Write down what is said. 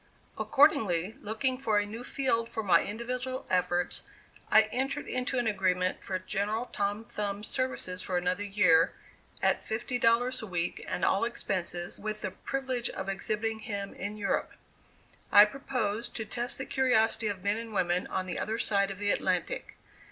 Accordingly, looking for a new field for my individual efforts, I entered into an agreement for General Tom Thumb's services for another year, at fifty dollars a week and all expenses, with the privilege of exhibiting him in Europe. I proposed to test the curiosity of men and women on the other side of the Atlantic.